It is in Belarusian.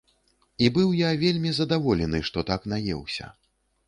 І быў я вельмі здаволены, што так наеўся.